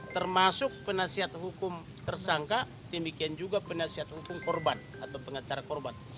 termasuk penasihat hukum tersangka demikian juga penasihat hukum korban atau pengacara korban